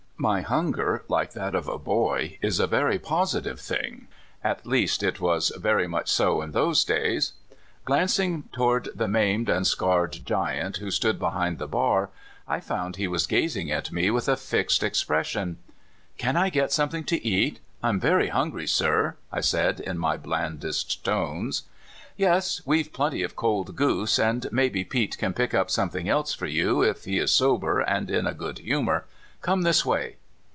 My hun ger, like that of a boy, is a very positive thing — at least it was very much so in those days. Glancing toward the maimed and scarred giant who stood behind the bar, I found he was gazing at me with a fixed expression. " Can I get something to eat? I am very hun gry, sir," I said in my blandest tones. " Yes, we've plenty of cold goose, and maybe Pete can pick up something else for you, if he is sober and in a good humor. Come this way."